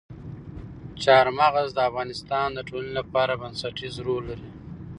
چار مغز د افغانستان د ټولنې لپاره بنسټيز رول لري.